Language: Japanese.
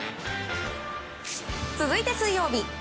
続いて水曜日。